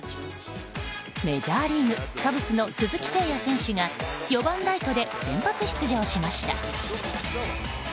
メジャーリーグカブスの鈴木誠也選手が４番ライトで先発出場しました。